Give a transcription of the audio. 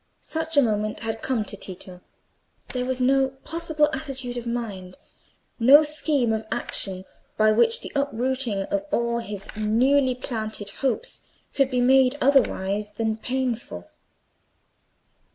Such a moment had come to Tito. There was no possible attitude of mind, no scheme of action by which the uprooting of all his newly planted hopes could be made otherwise than painful.